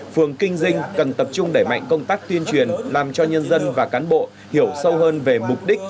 phường kinh dinh cần tập trung đẩy mạnh công tác tuyên truyền làm cho nhân dân và cán bộ hiểu sâu hơn về mục đích